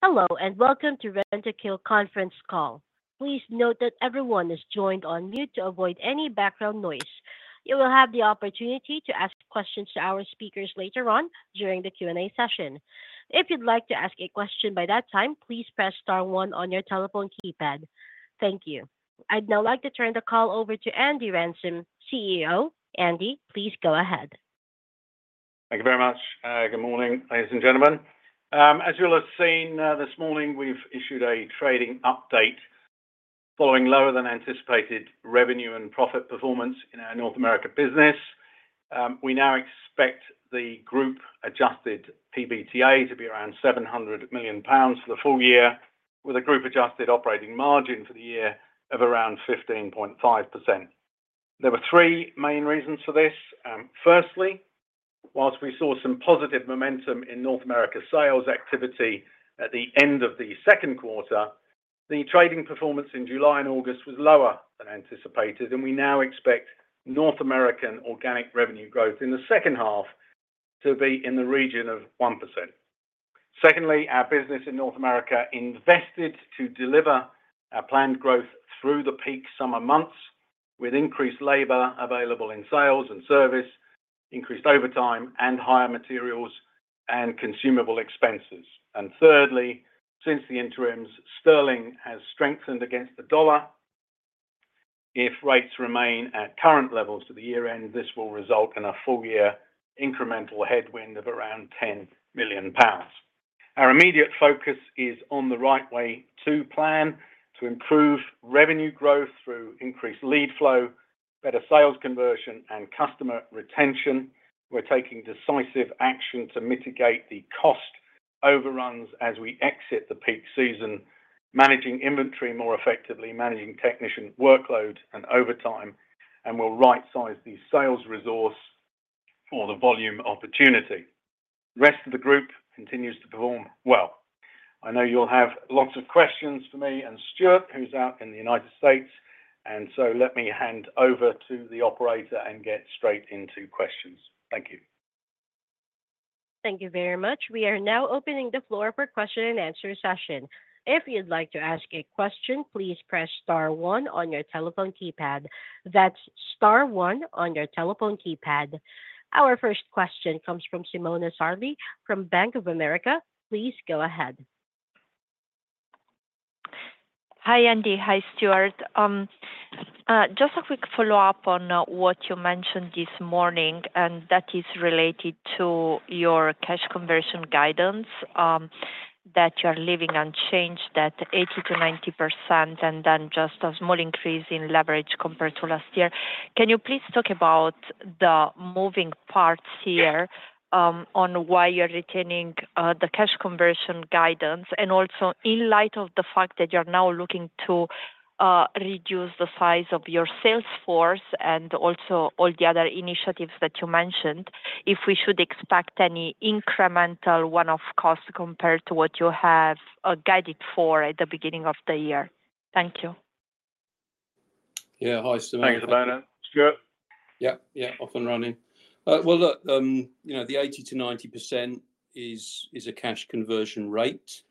Hello, and welcome to Rentokil conference call. Please note that everyone is joined on mute to avoid any background noise. You will have the opportunity to ask questions to our speakers later on during the Q&A session. If you'd like to ask a question by that time, please press star one on your telephone keypad. Thank you. I'd now like to turn the call over to Andy Ransom, CEO. Andy, please go ahead. Thank you very much. Good morning, ladies and gentlemen. As you'll have seen, this morning, we've issued a trading update following lower than anticipated revenue and profit performance in our North America business. We now expect the group adjusted PBTA to be around 700 million pounds for the full year, with a group adjusted operating margin for the year of around 15.5%. There were 3 main reasons for this. Firstly, whilst we saw some positive momentum in North America sales activity at the end of the second quarter, the trading performance in July and August was lower than anticipated, and we now expect North American organic revenue growth in the second half to be in the region of 1%. Secondly, our business in North America invested to deliver a planned growth through the peak summer months, with increased labor available in sales and service, increased overtime, and higher materials and consumable expenses. And thirdly, since the interims, sterling has strengthened against the dollar. If rates remain at current levels to the year-end, this will result in a full year incremental headwind of around 10 million pounds. Our immediate focus is on the right way to plan to improve revenue growth through increased lead flow, better sales conversion, and customer retention. We're taking decisive action to mitigate the cost overruns as we exit the peak season, managing inventory more effectively, managing technician workload and overtime, and we'll rightsize the sales resource for the volume opportunity. The rest of the group continues to perform well. I know you'll have lots of questions for me and Stuart, who's out in the United States, and so let me hand over to the operator and get straight into questions. Thank you. Thank you very much. We are now opening the floor for question and answer session. If you'd like to ask a question, please press star one on your telephone keypad. That's star one on your telephone keypad. Our first question comes from Simona Sarli from Bank of America. Please go ahead. Hi, Andy. Hi, Stuart. Just a quick follow-up on what you mentioned this morning, and that is related to your cash conversion guidance that you're leaving unchanged, that 80%-90%, and then just a small increase in leverage compared to last year. Can you please talk about the moving parts here on why you're retaining the cash conversion guidance? And also, in light of the fact that you're now looking to reduce the size of your sales force and also all the other initiatives that you mentioned, if we should expect any incremental one-off costs compared to what you have guided for at the beginning of the year. Thank you. Yeah. Hi, Simona. Thank you, Simona. Stuart? Yeah. Yeah, off and running. Well, look, you know, the 80-90% is a cash conversion rate.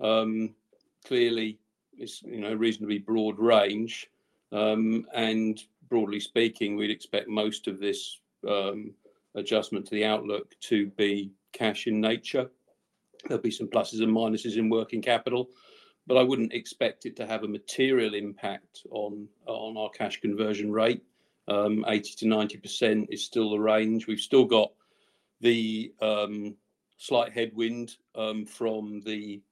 Clearly, it's, you know, a reasonably broad range. And broadly speaking, we'd expect most of this adjustment to the outlook to be cash in nature. There'll be some pluses and minuses in working capital, but I wouldn't expect it to have a material impact on our cash conversion rate. 80-90% is still the range. We've still got the slight headwind from the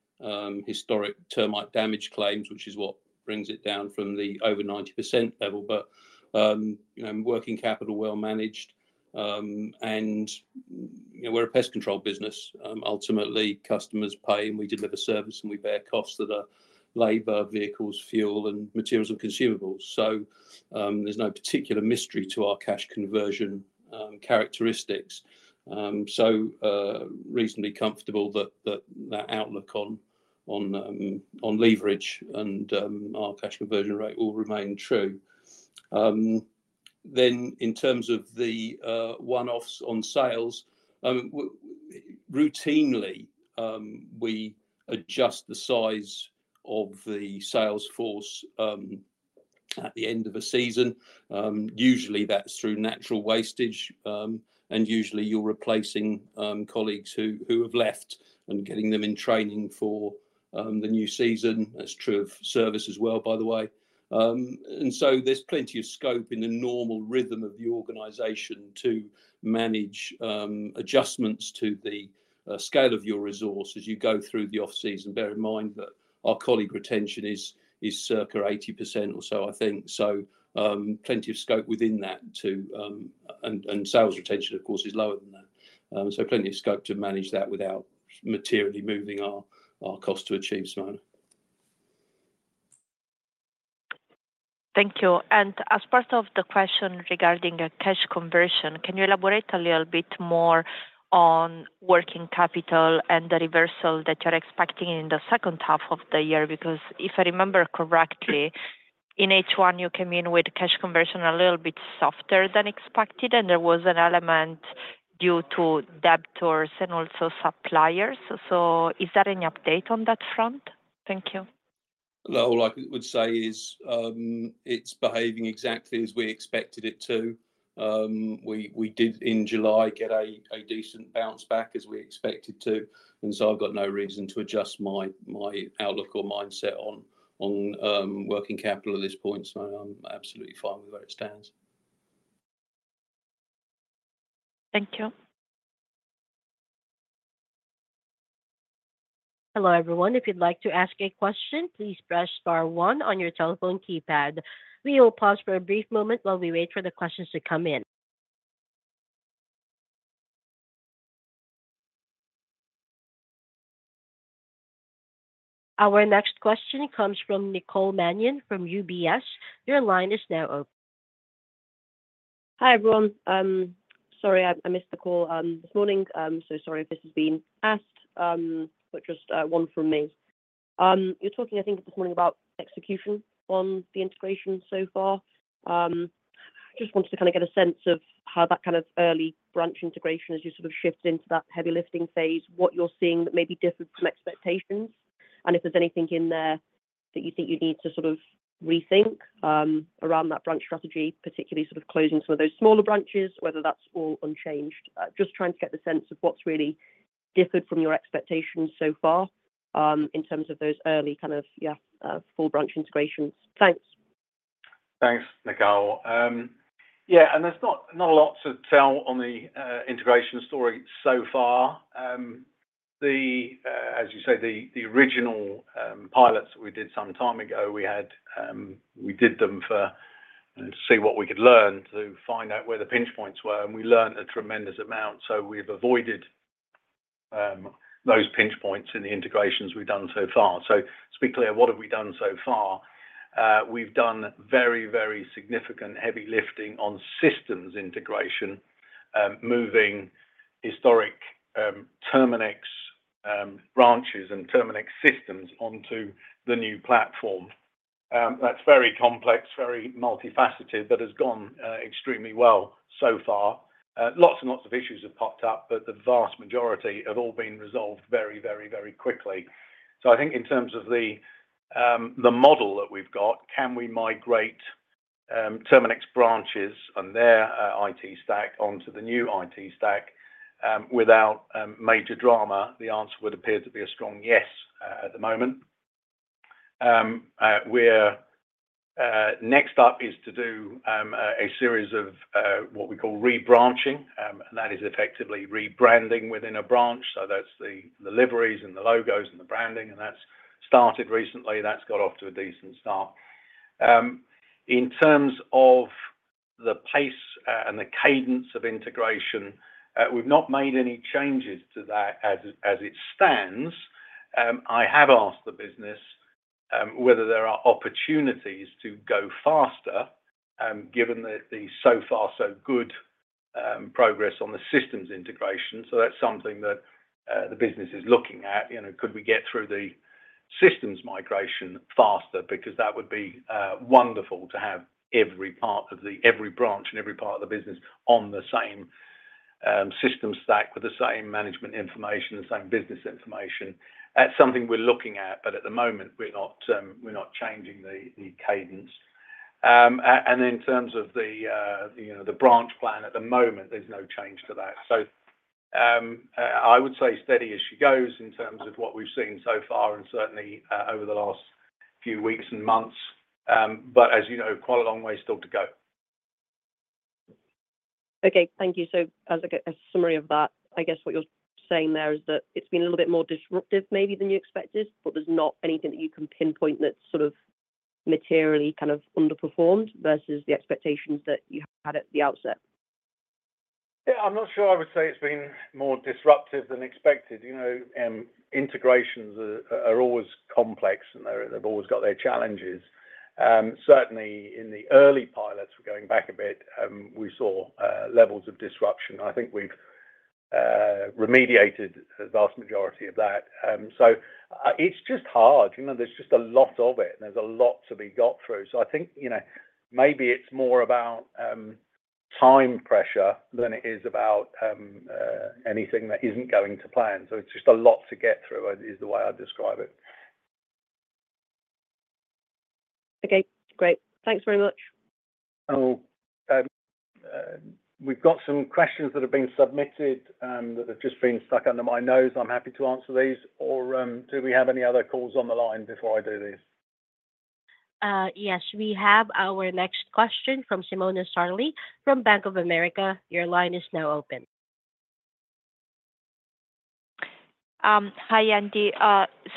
historic termite damage claims, which is what brings it down from the over 90% level. But you know, working capital, well managed, and you know, we're a pest control business. Ultimately, customers pay, and we deliver service, and we bear costs that are labor, vehicles, fuel, and materials, and consumables. There's no particular mystery to our cash conversion characteristics. Reasonably comfortable that outlook on leverage and our cash conversion rate will remain true. In terms of the one-offs on sales, routinely we adjust the size of the sales force at the end of a season. Usually, that's through natural wastage, and usually, you're replacing colleagues who have left and getting them in training for the new season. That's true of service as well, by the way. There's plenty of scope in the normal rhythm of the organization to manage adjustments to the scale of your resource as you go through the off-season. Bear in mind that our colleague retention is circa 80% or so, I think. Plenty of scope within that. And sales retention, of course, is lower than that. Plenty of scope to manage that without materially moving our cost to achieve, Simona. Thank you. And as part of the question regarding a cash conversion, can you elaborate a little bit more on working capital and the reversal that you're expecting in the second half of the year? Because if I remember correctly in H 1, you came in with cash conversion a little bit softer than expected, and there was an element due to debtors and also suppliers. So is there any update on that front? Thank you. All I would say is, it's behaving exactly as we expected it to. We did in July get a decent bounce back as we expected to, and so I've got no reason to adjust my outlook or mindset on working capital at this point, so I'm absolutely fine with where it stands. Thank you. Hello, everyone. If you'd like to ask a question, please press star one on your telephone keypad. We will pause for a brief moment while we wait for the questions to come in. Our next question comes from Nicole Manion from UBS. Your line is now open. Hi, everyone. Sorry I missed the call this morning. So sorry if this has been asked, but just one from me. You were talking, I think, this morning about execution on the integration so far. Just wanted to kind of get a sense of how that kind of early branch integration as you sort of shift into that heavy lifting phase, what you're seeing that may be different from expectations, and if there's anything in there that you think you need to sort of rethink around that branch strategy, particularly sort of closing some of those smaller branches, whether that's all unchanged. Just trying to get the sense of what's really differed from your expectations so far, in terms of those early kind of full branch integrations. Thanks. Thanks, Nicole. Yeah, and there's not a lot to tell on the integration story so far. As you say, the original pilots we did some time ago, we did them to see what we could learn, to find out where the pinch points were, and we learned a tremendous amount, so we've avoided those pinch points in the integrations we've done so far. To be clear, what have we done so far? We've done very, very significant heavy lifting on systems integration, moving historic Terminix branches and Terminix systems onto the new platform. That's very complex, very multifaceted, but has gone extremely well so far. Lots and lots of issues have popped up, but the vast majority have all been resolved very, very, very quickly. So I think in terms of the model that we've got, can we migrate Terminix branches and their IT stack onto the new IT stack without major drama? The answer would appear to be a strong yes at the moment. We're next up is to do a series of what we call rebranching, and that is effectively rebranding within a branch, so that's the deliveries and the logos and the branding, and that's started recently. That's got off to a decent start. In terms of the pace and the cadence of integration, we've not made any changes to that as it stands. I have asked the business whether there are opportunities to go faster given the so far, so good progress on the systems integration. So that's something that, the business is looking at. You know, could we get through the systems migration faster? Because that would be, wonderful to have every part of every branch and every part of the business on the same system stack with the same management information, the same business information. That's something we're looking at, but at the moment, we're not changing the cadence and in terms of the, you know, the branch plan, at the moment, there's no change to that, so I would say steady as she goes in terms of what we've seen so far and certainly over the last few weeks and months, but as you know, quite a long way still to go. Okay. Thank you. So as, like, a summary of that, I guess what you're saying there is that it's been a little bit more disruptive maybe than you expected, but there's not anything that you can pinpoint that sort of materially kind of underperformed versus the expectations that you had at the outset? Yeah, I'm not sure I would say it's been more disruptive than expected. You know, integrations are always complex, and they've always got their challenges. Certainly, in the early pilots, we're going back a bit, we saw levels of disruption. I think we've remediated the vast majority of that. So, it's just hard. You know, there's just a lot of it, and there's a lot to be got through. So I think, you know, maybe it's more about time pressure than it is about anything that isn't going to plan. So it's just a lot to get through, is the way I'd describe it. Okay, great. Thanks very much. We've got some questions that have been submitted that have just been stuck under my nose. I'm happy to answer these, or do we have any other calls on the line before I do this? Yes, we have our next question from Simona Sarli from Bank of America. Your line is now open. Hi, Andy.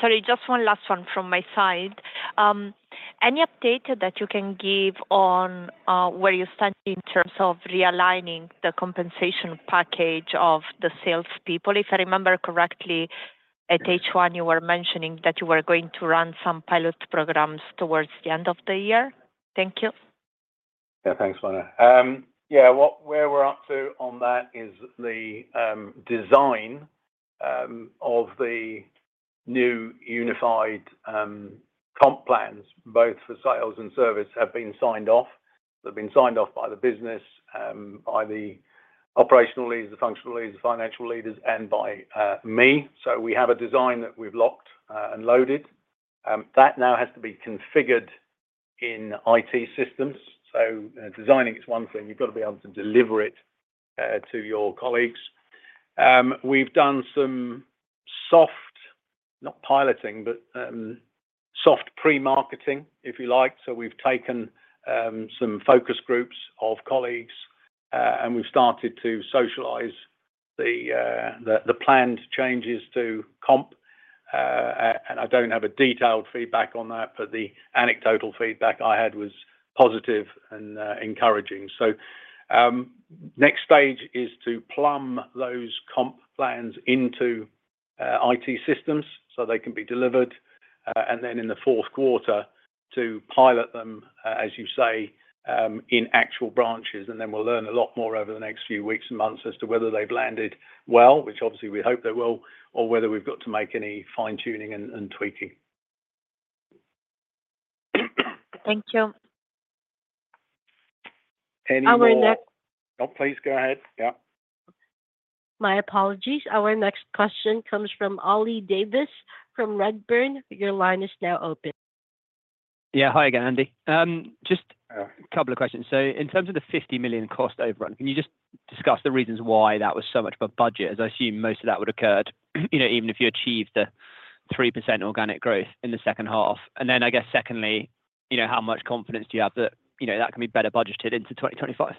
Sorry, just one last one from my side. Any update that you can give on where you stand in terms of realigning the compensation package of the salespeople? If I remember correctly, at H1, you were mentioning that you were going to run some pilot programs towards the end of the year. Thank you.... Yeah, thanks, Lana. Yeah, where we're up to on that is the design of the new unified comp plans, both for sales and service, have been signed off. They've been signed off by the business, by the operational leaders, the functional leaders, the financial leaders, and by me. So we have a design that we've locked and loaded. That now has to be configured in IT systems. So, designing is one thing, you've got to be able to deliver it to your colleagues. We've done some soft, not piloting, but soft pre-marketing, if you like. So we've taken some focus groups of colleagues, and we've started to socialize the planned changes to comp. I don't have a detailed feedback on that, but the anecdotal feedback I had was positive and encouraging. Next stage is to plumb those comp plans into IT systems so they can be delivered, and then in the fourth quarter, to pilot them, as you say, in actual branches, and then we'll learn a lot more over the next few weeks and months as to whether they've landed well, which obviously we hope they will, or whether we've got to make any fine-tuning and tweaking. Thank you. Any more- Our next- Oh, please go ahead. Yeah. My apologies. Our next question comes from Ollie Davis, from Redburn. Your line is now open. Yeah. Hi again, Andy. Just a couple of questions. So in terms of the 50 million cost overrun, can you just discuss the reasons why that was so much of a budget, as I assume most of that would occurred, you know, even if you achieved the 3% organic growth in the second half? And then, I guess secondly, you know, how much confidence do you have that, you know, that can be better budgeted into 2025?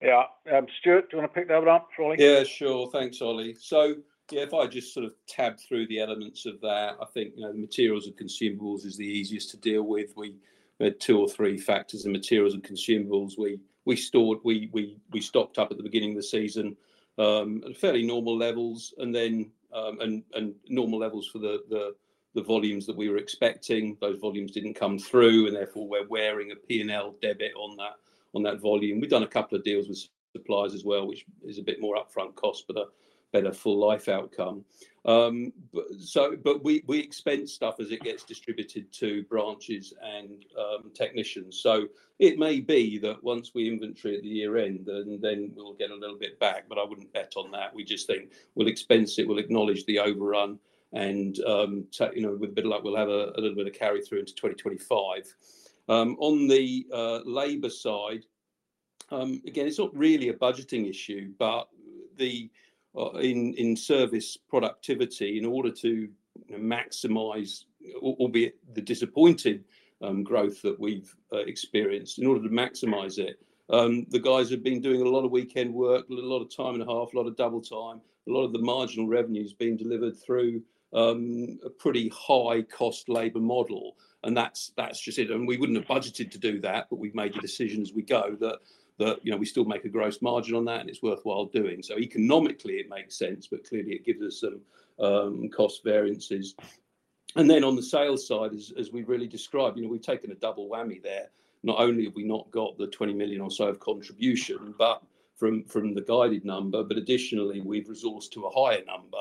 Yeah. Stuart, do you want to pick that one up for Ollie? Yeah, sure. Thanks, Ollie. So yeah, if I just sort of tab through the elements of that, I think, you know, materials and consumables is the easiest to deal with. We had two or three factors in materials and consumables. We stocked up at the beginning of the season at fairly normal levels, and then and normal levels for the volumes that we were expecting. Those volumes didn't come through, and therefore, we're wearing a P&L debit on that volume. We've done a couple of deals with suppliers as well, which is a bit more upfront cost, but a better full life outcome. But we expense stuff as it gets distributed to branches and technicians. So it may be that once we inventory at the year-end, then we'll get a little bit back, but I wouldn't bet on that. We just think we'll expense it, we'll acknowledge the overrun, and so, you know, with a bit of luck, we'll have a little bit of carry-through into 2025. On the labor side, again, it's not really a budgeting issue, but the in-service productivity, in order to maximize, albeit the disappointing growth that we've experienced, in order to maximize it, the guys have been doing a lot of weekend work, a lot of time and a half, a lot of double time. A lot of the marginal revenue is being delivered through a pretty high cost labor model, and that's just it. We wouldn't have budgeted to do that, but we've made a decision as we go that you know, we still make a gross margin on that, and it's worthwhile doing. So economically, it makes sense, but clearly, it gives us some cost variances. Then on the sales side, as we really described, you know, we've taken a double whammy there. Not only have we not got the twenty million or so of contribution, but from the guided number, but additionally, we've resourced to a higher number,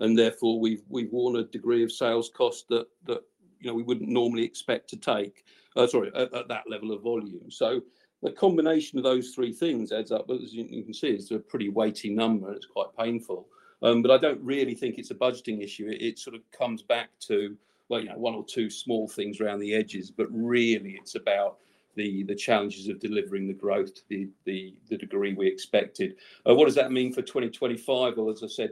and therefore, we've worn a degree of sales cost that you know, we wouldn't normally expect to take, sorry, at that level of volume. So the combination of those three things adds up, but as you can see, it's a pretty weighty number, and it's quite painful. But I don't really think it's a budgeting issue. It sort of comes back to, well, you know, one or two small things around the edges, but really, it's about the challenges of delivering the growth to the degree we expected. What does that mean for 2025? Well, as I said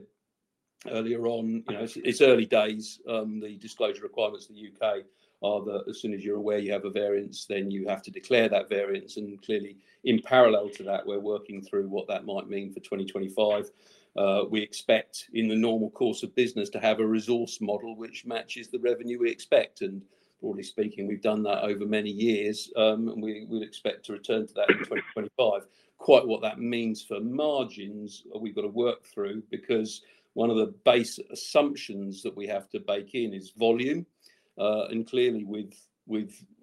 earlier on, you know, it's early days. The disclosure requirements in the UK are that as soon as you're aware you have a variance, then you have to declare that variance, and clearly, in parallel to that, we're working through what that might mean for 2025. We expect, in the normal course of business, to have a resource model which matches the revenue we expect. And broadly speaking, we've done that over many years, and we expect to return to that in 2025. Quite what that means for margins, we've got to work through, because one of the base assumptions that we have to bake in is volume. And clearly, with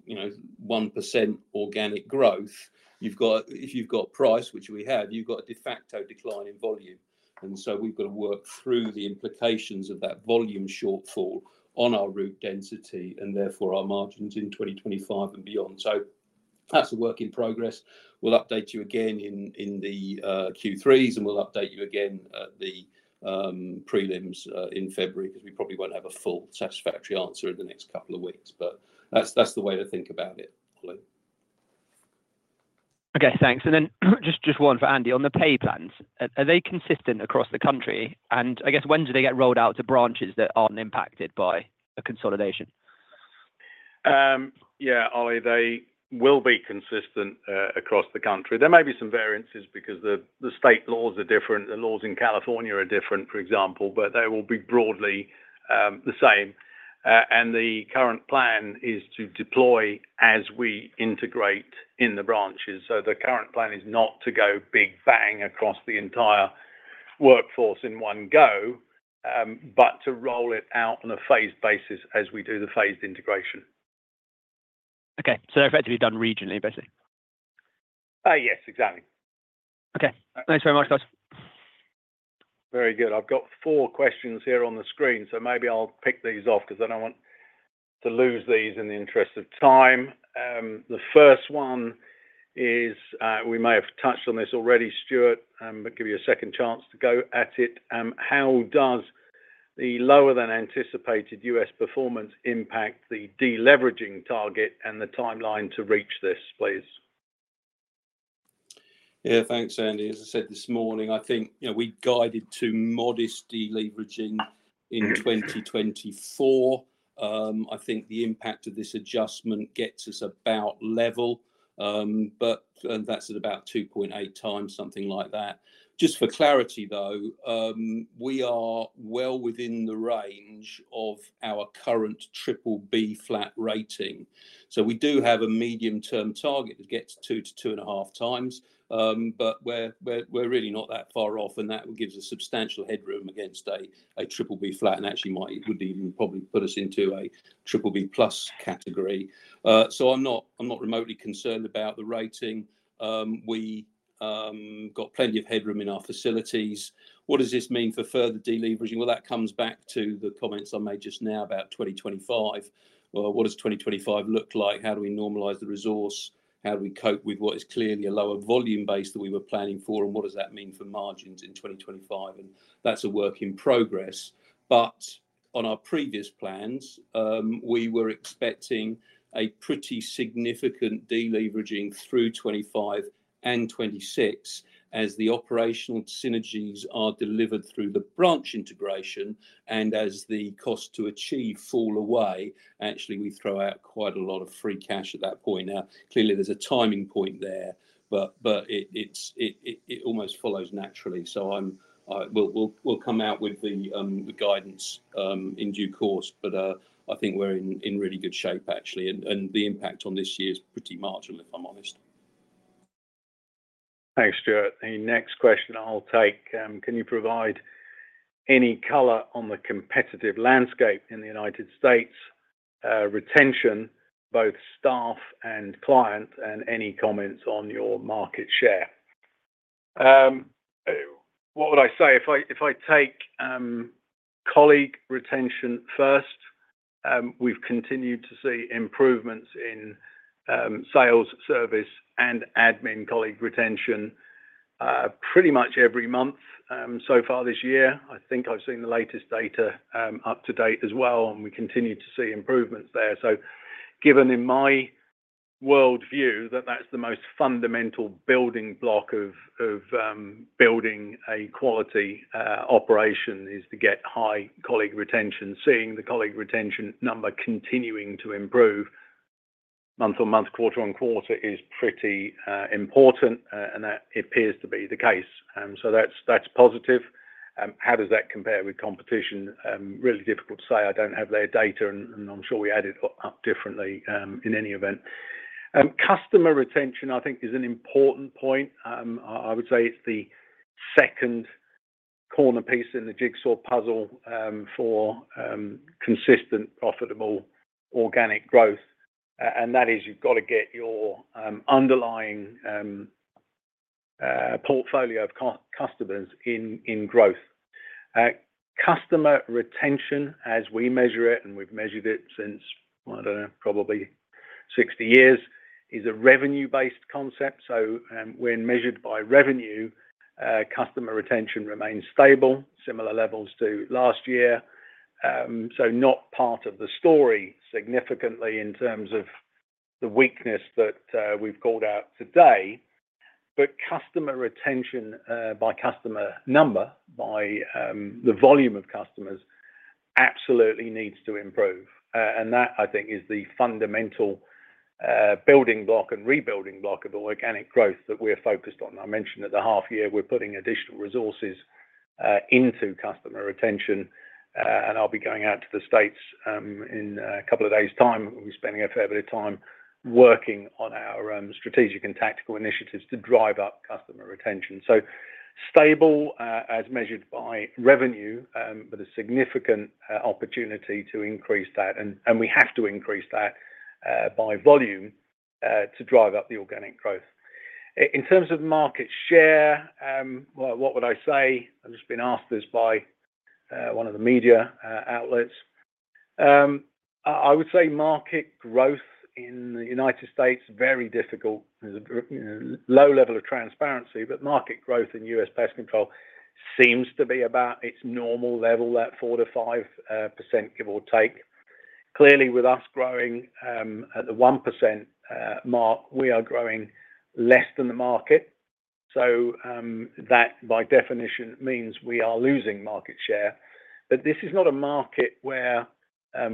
you know, 1% organic growth, you've got if you've got price, which we have, you've got a de facto decline in volume. And so we've got to work through the implications of that volume shortfall on our route density, and therefore, our margins in 2025 and beyond. So that's a work in progress. We'll update you again in the Q3s, and we'll update you again at the prelims in February, because we probably won't have a full satisfactory answer in the next couple of weeks. But that's the way to think about it, Ollie. Okay, thanks. And then just one for Andy. On the pay plans, are they consistent across the country? And I guess when do they get rolled out to branches that aren't impacted by a consolidation? Yeah, Ollie, they will be consistent across the country. There may be some variances because the state laws are different. The laws in California are different, for example, but they will be broadly the same. And the current plan is to deploy as we integrate in the branches. So the current plan is not to go big bang across the entire workforce in one go, but to roll it out on a phased basis as we do the phased integration. Okay. So effectively done regionally, basically? Yes, exactly. Okay. Thanks very much, guys. Very good. I've got four questions here on the screen, so maybe I'll pick these off, 'cause I don't want to lose these in the interest of time. The first one is, we may have touched on this already, Stuart, but give you a second chance to go at it. How does the lower than anticipated U.S. performance impact the deleveraging target and the timeline to reach this, please? Yeah, thanks, Andy. As I said this morning, I think, you know, we guided to modest deleveraging in 2024. I think the impact of this adjustment gets us about level, but that's at about 2.8 times, something like that. Just for clarity, though, we are well within the range of our current Triple B flat rating. So we do have a medium-term target that gets 2 to 2.5 times. But we're really not that far off, and that gives us substantial headroom against a Triple B flat, and actually would even probably put us into a Triple B plus category. So I'm not remotely concerned about the rating. We got plenty of headroom in our facilities. What does this mean for further deleveraging? That comes back to the comments I made just now about 2025. What does 2025 look like? How do we normalize the resource? How do we cope with what is clearly a lower volume base than we were planning for, and what does that mean for margins in 2025? And that's a work in progress. But on our previous plans, we were expecting a pretty significant deleveraging through 2025 and 2026, as the operational synergies are delivered through the branch integration and as the cost to achieve fall away. Actually, we throw out quite a lot of free cash at that point. Now, clearly, there's a timing point there, but it almost follows naturally. So I'm, I... We'll come out with the guidance in due course, but I think we're in really good shape, actually, and the impact on this year is pretty marginal, if I'm honest. Thanks, Stuart. The next question I'll take: Can you provide any color on the competitive landscape in the United States, retention, both staff and client, and any comments on your market share? What would I say? If I take colleague retention first, we've continued to see improvements in sales, service, and admin colleague retention, pretty much every month, so far this year. I think I've seen the latest data, up to date as well, and we continue to see improvements there. So given in my worldview, that that's the most fundamental building block of building a quality operation is to get high colleague retention. Seeing the colleague retention number continuing to improve month on month, quarter on quarter, is pretty important, and that appears to be the case. So that's positive. How does that compare with competition? Really difficult to say. I don't have their data, and I'm sure we add it up differently, in any event. Customer retention, I think is an important point. I would say it's the second corner piece in the jigsaw puzzle, for consistent, profitable, organic growth. And that is you've got to get your underlying portfolio of customers in growth. Customer retention, as we measure it, and we've measured it since, I don't know, probably sixty years, is a revenue-based concept. So, when measured by revenue, customer retention remains stable, similar levels to last year. So not part of the story significantly in terms of the weakness that we've called out today, but customer retention by customer number, by the volume of customers, absolutely needs to improve. And that, I think, is the fundamental building block and rebuilding block of organic growth that we're focused on. I mentioned at the half year, we're putting additional resources into customer retention, and I'll be going out to the States in a couple of days time. We'll be spending a fair bit of time working on our strategic and tactical initiatives to drive up customer retention. So stable as measured by revenue, but a significant opportunity to increase that. And we have to increase that by volume to drive up the organic growth. In terms of market share, well, what would I say? I've just been asked this by one of the media outlets. I would say market growth in the United States, very difficult. There's a low level of transparency, but market growth in U.S. pest control seems to be about its normal level, that 4%-5%, give or take. Clearly, with us growing at the 1% mark, we are growing less than the market. So, that, by definition, means we are losing market share. But this is not a market where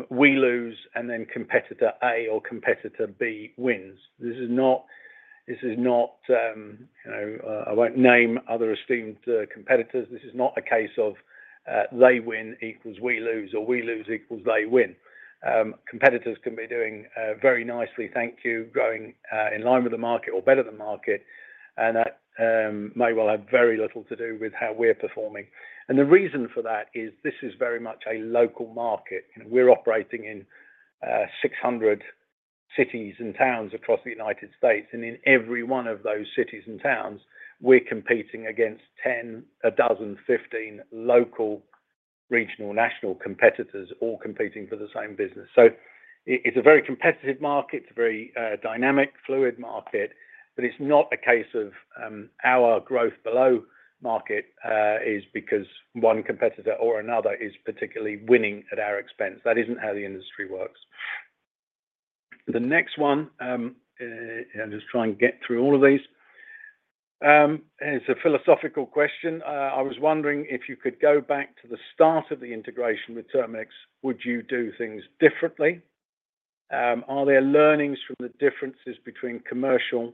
we lose and then competitor A or competitor B wins. This is not, this is not, you know, I won't name other esteemed competitors. This is not a case of they win equals we lose or we lose equals they win. Competitors can be doing very nicely, thank you, growing in line with the market or better than market, and that may well have very little to do with how we're performing. And the reason for that is this is very much a local market, and we're operating in 600 cities and towns across the United States, and in every one of those cities and towns, we're competing against 10, a dozen, 15 local, regional, national competitors, all competing for the same business. So it's a very competitive market. It's a very dynamic, fluid market, but it's not a case of our growth below market is because one competitor or another is particularly winning at our expense. That isn't how the industry works. The next one, I'll just try and get through all of these. And it's a philosophical question. I was wondering if you could go back to the start of the integration with Terminix, would you do things differently? Are there learnings from the differences between commercial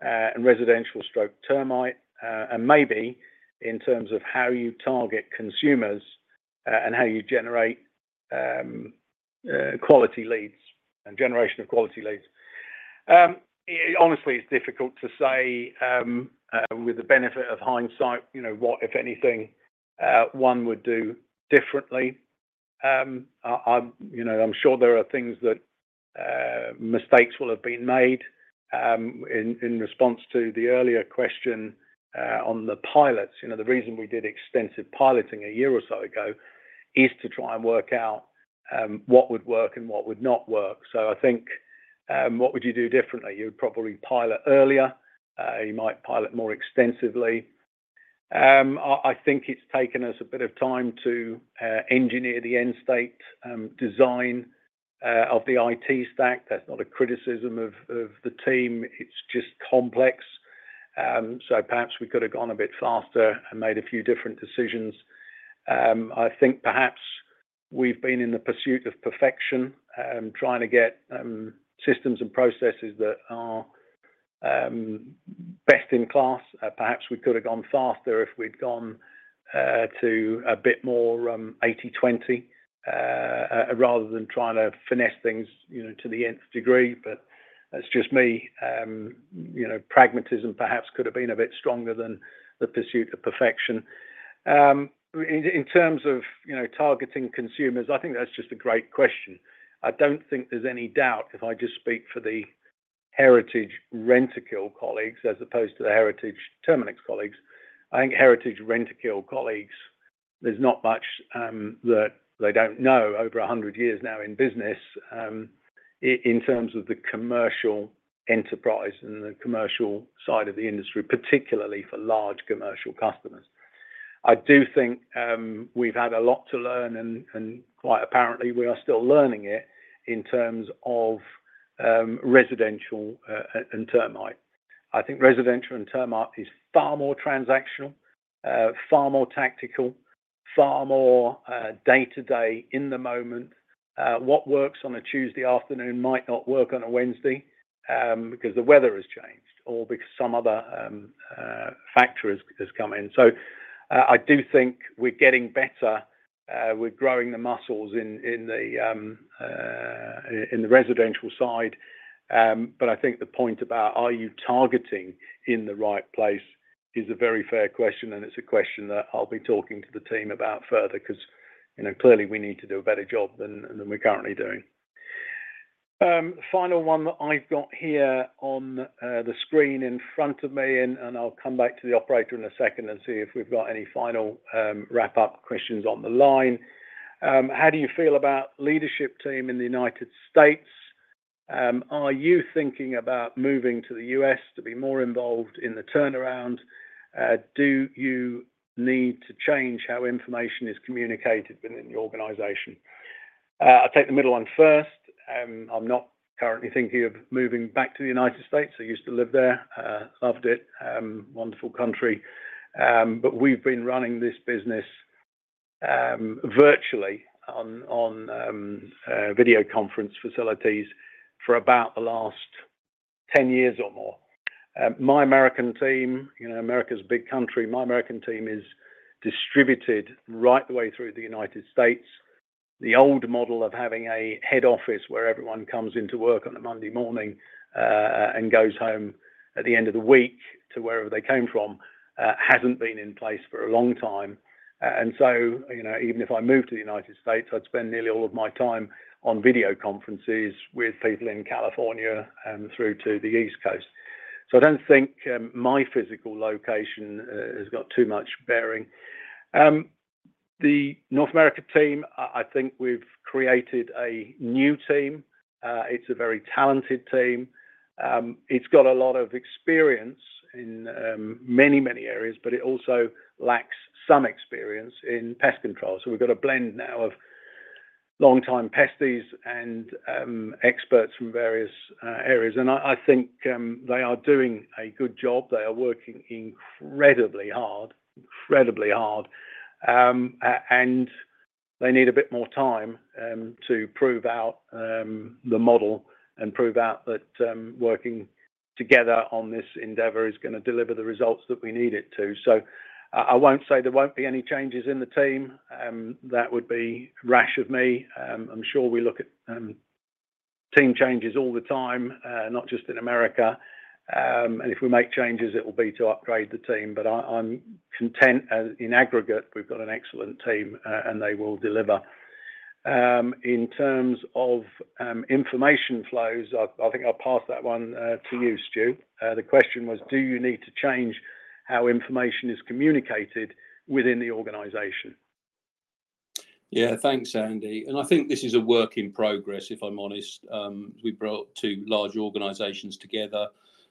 and residential/termite and maybe in terms of how you target consumers and how you generate quality leads and generation of quality leads? Honestly, it's difficult to say with the benefit of hindsight, you know, what, if anything, one would do differently. I'm, you know, I'm sure there are things that mistakes will have been made. In response to the earlier question on the pilots, you know, the reason we did extensive piloting a year or so ago is to try and work out what would work and what would not work. So, I think, what would you do differently? You'd probably pilot earlier. You might pilot more extensively. I think it's taken us a bit of time to engineer the end state design of the IT stack. That's not a criticism of the team; it's just complex. So perhaps we could have gone a bit faster and made a few different decisions. I think perhaps we've been in the pursuit of perfection, trying to get systems and processes that are best in class. Perhaps we could have gone faster if we'd gone to a bit more 80/20 rather than trying to finesse things, you know, to the nth degree, but that's just me. You know, pragmatism perhaps could have been a bit stronger than the pursuit of perfection. In terms of, you know, targeting consumers, I think that's just a great question. I don't think there's any doubt, if I just speak for the Heritage Rentokil colleagues, as opposed to the Heritage Terminix colleagues, I think Heritage Rentokil colleagues, there's not much that they don't know over a hundred years now in business, in terms of the commercial enterprise and the commercial side of the industry, particularly for large commercial customers. I do think we've had a lot to learn, and quite apparently, we are still learning it in terms of residential and termite. I think residential and termite is far more transactional, far more tactical, far more day-to-day, in the moment. What works on a Tuesday afternoon might not work on a Wednesday, because the weather has changed or because some other factor has come in. So, I do think we're getting better, we're growing the muscles in the residential side. But I think the point about are you targeting in the right place is a very fair question, and it's a question that I'll be talking to the team about further, 'cause, you know, clearly, we need to do a better job than we're currently doing. Final one that I've got here on the screen in front of me, and I'll come back to the operator in a second and see if we've got any final wrap-up questions on the line. How do you feel about leadership team in the United States? Are you thinking about moving to the U.S. to be more involved in the turnaround? Do you need to change how information is communicated within the organization? I'll take the middle one first. I'm not currently thinking of moving back to the United States. I used to live there. Loved it. Wonderful country, but we've been running this business virtually on video conference facilities for about the last 10 years or more. My American team, you know, America's a big country. My American team is distributed right the way through the United States. The old model of having a head office where everyone comes into work on a Monday morning, and goes home at the end of the week to wherever they came from, hasn't been in place for a long time, and so, you know, even if I moved to the United States, I'd spend nearly all of my time on video conferences with people in California and through to the East Coast, so I don't think my physical location has got too much bearing. The North America team, I think we've created a new team. It's a very talented team. It's got a lot of experience in many, many areas, but it also lacks some experience in pest control. So we've got a blend now of long-time pesties and, experts from various, areas, and I, I think, they are doing a good job. They are working incredibly hard, incredibly hard, and they need a bit more time, to prove out, the model and prove out that, working together on this endeavor is gonna deliver the results that we need it to. So, I won't say there won't be any changes in the team, that would be rash of me. I'm sure we look at team changes all the time, not just in America, and if we make changes, it will be to upgrade the team, but I, I'm content. In aggregate, we've got an excellent team, and they will deliver. In terms of information flows, I think I'll pass that one to you, Stu. The question was, do you need to change how information is communicated within the organization? Yeah, thanks, Andy, and I think this is a work in progress, if I'm honest. We brought two large organizations together.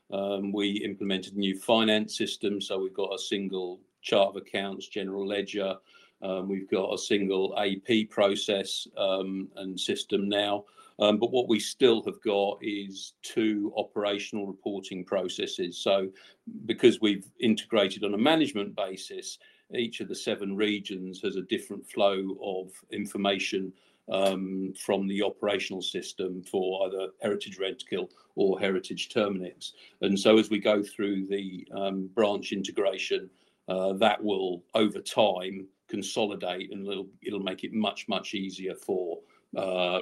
We implemented new finance systems, so we've got a single chart of accounts, general ledger. We've got a single AP process, and system now. But what we still have got is two operational reporting processes. So because we've integrated on a management basis, each of the seven regions has a different flow of information, from the operational system for either Heritage Rentokil or Heritage Terminix. And so as we go through the, branch integration, that will, over time, consolidate, and it'll, it'll make it much, much easier for,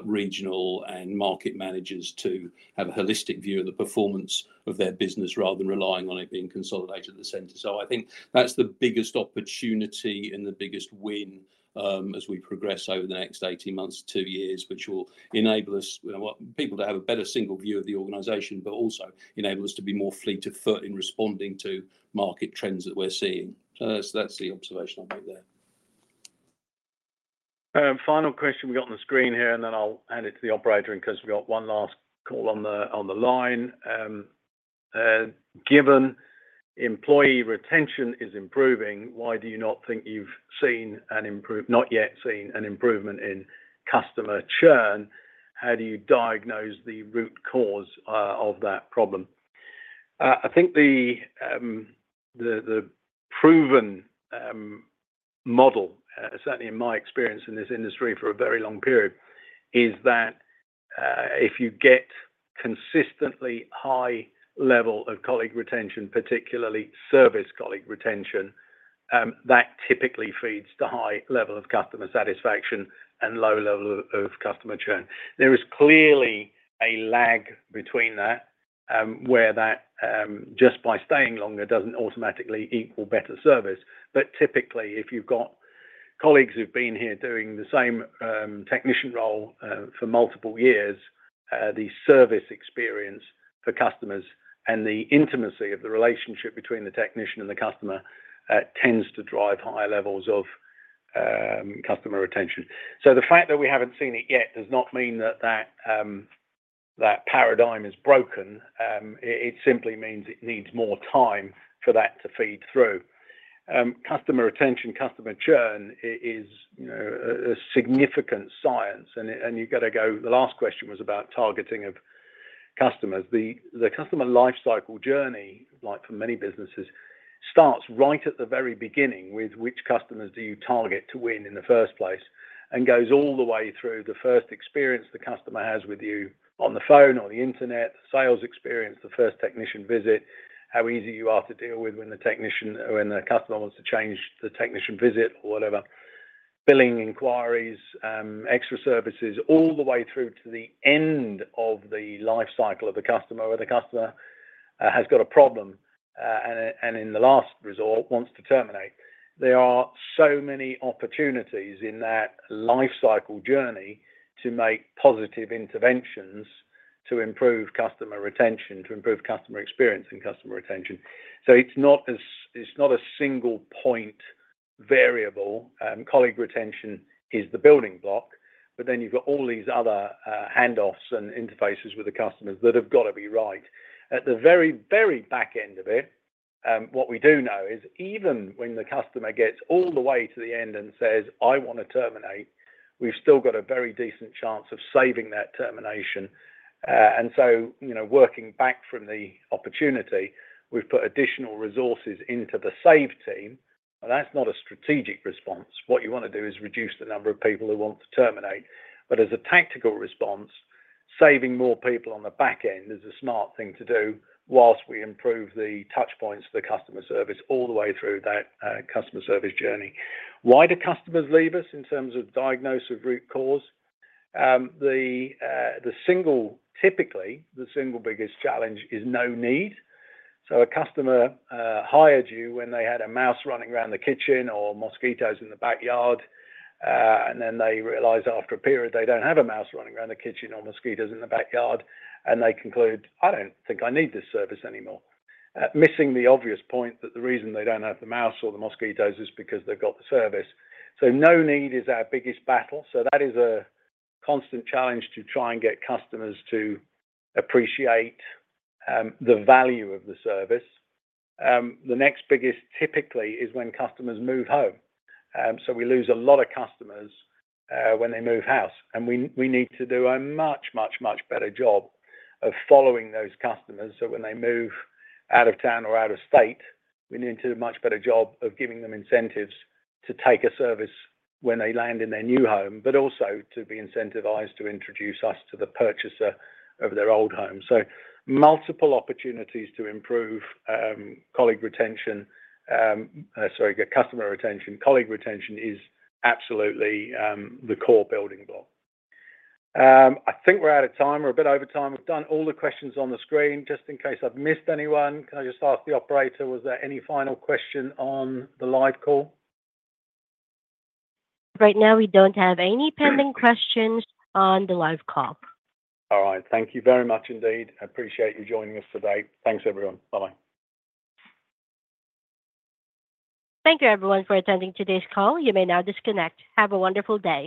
regional and market managers to have a holistic view of the performance of their business, rather than relying on it being consolidated at the center. So I think that's the biggest opportunity and the biggest win, as we progress over the next eighteen months to two years, which will enable us... well, people to have a better single view of the organization, but also enable us to be more fleet of foot in responding to market trends that we're seeing. So that's, that's the observation I'll make there. Final question we got on the screen here, and then I'll hand it to the operator, in case we've got one last call on the line. Given employee retention is improving, why do you not think you've not yet seen an improvement in customer churn? How do you diagnose the root cause of that problem? I think the proven model certainly in my experience in this industry for a very long period is that if you get consistently high level of colleague retention, particularly service colleague retention, that typically feeds to high level of customer satisfaction and low level of customer churn. There is clearly a lag between that where that just by staying longer doesn't automatically equal better service. But typically, if you've got colleagues who've been here doing the same technician role for multiple years, the service experience for customers and the intimacy of the relationship between the technician and the customer tends to drive high levels of customer retention. So the fact that we haven't seen it yet does not mean that paradigm is broken. It simply means it needs more time for that to feed through. Customer retention, customer churn is, you know, a significant science, and you've got to go. The last question was about targeting of customers. The customer lifecycle journey, like for many businesses, starts right at the very beginning with which customers do you target to win in the first place, and goes all the way through the first experience the customer has with you on the phone or the internet, the sales experience, the first technician visit, how easy you are to deal with when the customer wants to change the technician visit or whatever, billing inquiries, extra services, all the way through to the end of the life cycle of the customer, where the customer has got a problem, and in the last resort, wants to terminate. There are so many opportunities in that life cycle journey to make positive interventions to improve customer retention, to improve customer experience and customer retention. So it's not a single point variable. Colleague retention is the building block, but then you've got all these other handoffs and interfaces with the customers that have got to be right. At the very, very back end of it, what we do know is even when the customer gets all the way to the end and says, "I want to terminate," we've still got a very decent chance of saving that termination, and so, you know, working back from the opportunity, we've put additional resources into the save team, and that's not a strategic response. What you want to do is reduce the number of people who want to terminate, but as a tactical response, saving more people on the back end is a smart thing to do, whilst we improve the touch points for the customer service all the way through that customer service journey. Why do customers leave us in terms of diagnosis of root cause? The single biggest challenge is no need. So a customer hired you when they had a mouse running around the kitchen or mosquitoes in the backyard, and then they realize after a period, they don't have a mouse running around the kitchen or mosquitoes in the backyard, and they conclude, "I don't think I need this service anymore," missing the obvious point that the reason they don't have the mouse or the mosquitoes is because they've got the service. So no need is our biggest battle, so that is a constant challenge to try and get customers to appreciate the value of the service. The next biggest typically is when customers move home. So we lose a lot of customers when they move house, and we need to do a much, much, much better job of following those customers, so when they move out of town or out of state, we need to do a much better job of giving them incentives to take a service when they land in their new home, but also to be incentivized to introduce us to the purchaser of their old home. So multiple opportunities to improve colleague retention, sorry, customer retention. Colleague retention is absolutely the core building block. I think we're out of time or a bit over time. We've done all the questions on the screen. Just in case I've missed anyone, can I just ask the operator, was there any final question on the live call? Right now, we don't have any pending questions on the live call. All right. Thank you very much indeed. I appreciate you joining us today. Thanks, everyone. Bye-bye. Thank you, everyone, for attending today's call. You may now disconnect. Have a wonderful day.